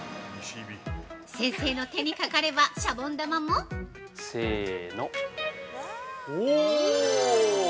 先生の手にかかればシャボン玉も◆せのおぉ！